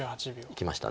いきました。